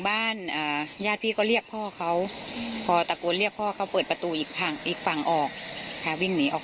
รู้ดักพี่เมื่อก็กลับไปมานี่ลิก